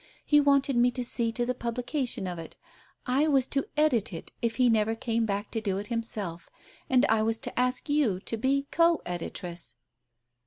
He wanted me to see to the publication of it. I was to edit it, if he never came back to do it himself — and I was to ask you to be co editress."